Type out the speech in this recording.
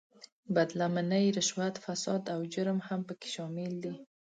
بد لمنۍ، رشوت، فساد او جرم هم په کې شامل دي.